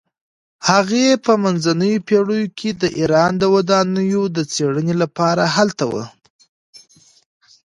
هغې په منځنیو پیړیو کې د ایران د ودانیو د څیړنې لپاره هلته وه.